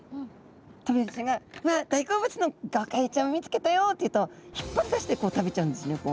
トビハゼちゃんが「わあっ大好物のゴカイちゃんを見つけたよ！」って言うと引っ張り出してこう食べちゃうんですね。